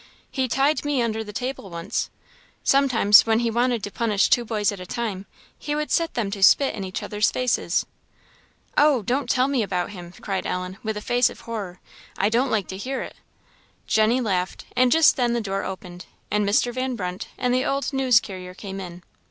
He tied me under the table once. Sometime, when he wanted to punish two boys at a time, he would set them to spit in each other's faces." "Oh! don't tell me about him!" cried Ellen, with a face of horror: "I don't like to hear it." Jenny laughed; and just then the door opened, and Mr. Van Brunt and the old news carrier came in.